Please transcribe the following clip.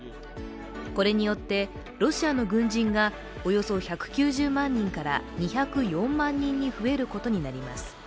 これによってロシアの軍人がおよそ１９０万人から２０４万人に増えることになります。